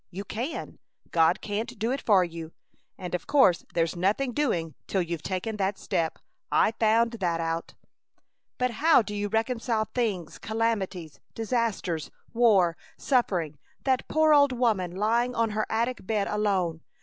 You can! God can't do it for you, and of course there's nothing doing till you've taken that step. I found that out!" "But how do you reconcile things, calamities, disasters, war, suffering, that poor old woman lying on her attic bed alone?